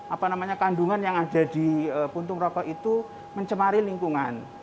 apa namanya kandungan yang ada di puntung rokok itu mencemari lingkungan